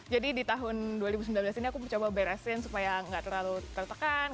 jadi di tahun dua ribu sembilan belas ini aku mencoba beresin supaya gak terlalu tertekan